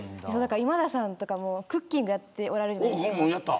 今田さんとかもクッキングやってるじゃないですか。